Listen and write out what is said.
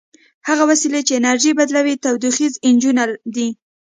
هغه وسیلې چې انرژي بدلوي تودوخیز انجنونه دي.